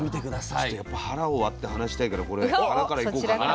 ちょっとやっぱ腹を割って話したいからこれ腹から行こうかな。